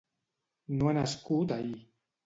No ha nascut ahir.